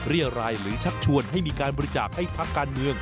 รายหรือชักชวนให้มีการบริจาคให้พักการเมือง